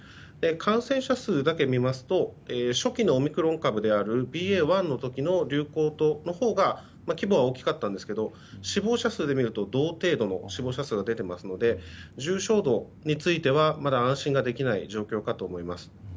感染者数だけ見ますと初期のオミクロン株であるＢＡ．１の時の流行のほうが規模は大きかったんですが死亡者数で見ると同程度の死亡者数が出ていますので重症度についてはまだ安心ができない状況かと思います。